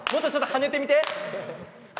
跳ねてみて！